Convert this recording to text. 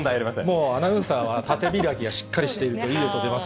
もうアナウンサーは縦開きがしっかりしているといい音出ます